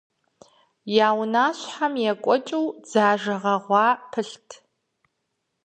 Я унащхьэм екӏуэкӏыу дзажэ гъэгъуа фӏэлът.